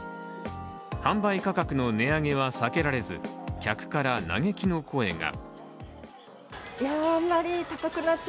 販売価格の値上げは避けられず、客から嘆きの声が。